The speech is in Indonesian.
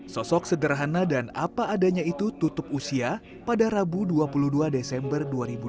sosok sederhana dan apa adanya itu tutup usia pada rabu dua puluh dua desember dua ribu dua puluh